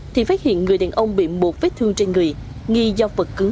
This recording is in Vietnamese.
thì phát hiện người đàn ông bị một vết thương trên người nghi do vật cứng và trúng